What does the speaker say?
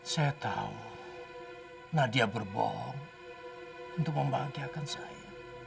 saya tahu nadia berbohong untuk membahagiakan saya